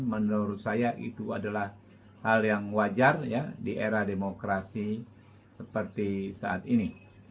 menurut saya itu adalah hal yang wajar di era demokrasi seperti saat ini